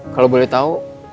kalau boleh tau